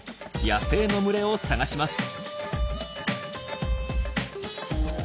野生の群れを探します。